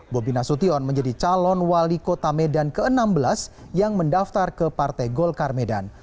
bobi nasution menjadi calon wali kota medan ke enam belas yang mendaftar ke partai golkar medan